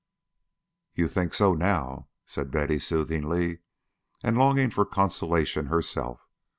"You think so now," said Betty, soothingly, and longing for consolation herself.